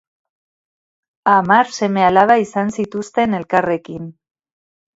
Hamar seme-alaba izan zituzten elkarrekin.